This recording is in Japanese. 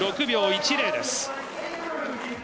２６秒１０です。